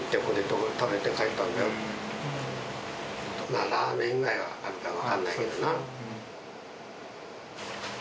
ラーメンぐらいはあるかわかんないけどな。